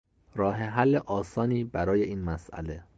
راه حل آسانی برای این مسئله